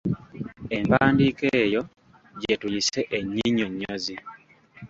Empandiika eyo gye tuyise ennyinnyonyozi.